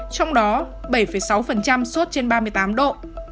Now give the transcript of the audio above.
trong đó bảy sáu suốt trên ba mươi tám độ